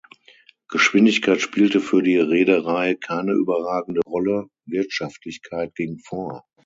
Geschwindigkeit spielte für die Reederei keine überragende Rolle, Wirtschaftlichkeit ging vor.